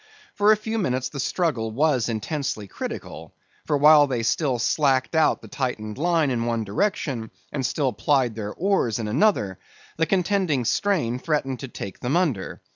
For a few minutes the struggle was intensely critical; for while they still slacked out the tightened line in one direction, and still plied their oars in another, the contending strain threatened to take them under.